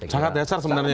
sangat dasar sebenarnya